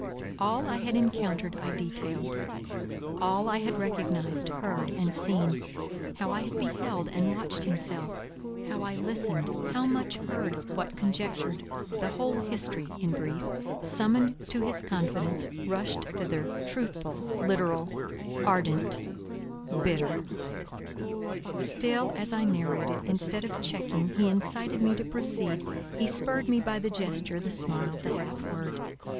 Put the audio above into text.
All I had encountered I detailed, all I had recognised, heard, and seen; how I had beheld and watched himself: how I listened, how much heard, what conjectured; the whole history, in brief, summoned to his confidence, rushed thither, truthful, literal, ardent, bitter. Still as I narrated, instead of checking, he incited me to proceed he spurred me by the gesture, the smile, the half word.